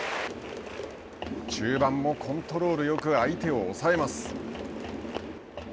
中盤もコントロールよく相手を抑えます。